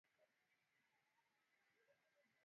Kuainisha sentensi husika.